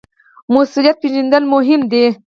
مسوولیت پیژندل مهم دي